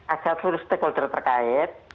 agar seluruh stakeholder terkait